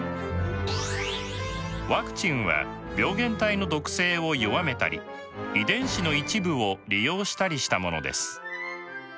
ワクチンは病原体の毒性を弱めたり遺伝子の一部を利用したりしたものです。